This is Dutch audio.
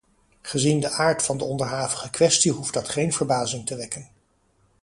Gezien de aard van de onderhavige kwestie hoeft dat geen verbazing te wekken.